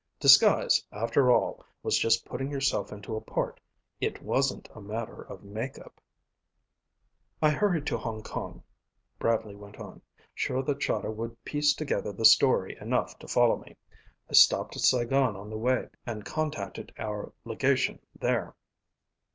Disguise, after all, was just putting yourself into a part. It wasn't a matter of make up. "I hurried to Hong Kong," Bradley went on, "sure that Chahda would piece together the story enough to follow me. I stopped at Saigon on the way and contacted our legation there.